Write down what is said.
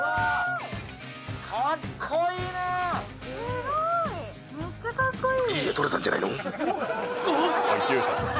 すごーい。